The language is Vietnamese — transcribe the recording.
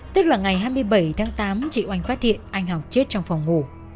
tức là ngày hai mươi bảy tháng tám chị oanh phát hiện anh học chết trong phòng ngủ